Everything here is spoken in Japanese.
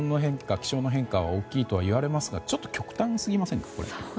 気象の変化が大きいといわれますがちょっと極端すぎませんか？